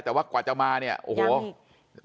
แต่ว่ากว่าจะมาเนี่ยโอ้โหย้ำอีก